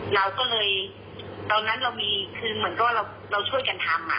เราก็เลยตอนนั้นเรามีคือเหมือนก็เราช่วยกันทำ